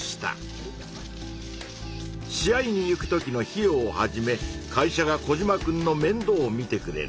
試合に行くときの費用をはじめ会社がコジマくんのめんどうをみてくれる。